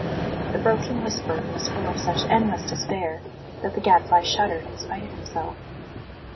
The broken whisper was full of such endless despair that the Gadfly shuddered in spite of himself.